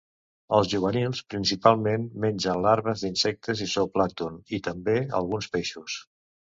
Els juvenils, principalment, mengen larves d'insectes i zooplàncton, i, també, alguns peixos.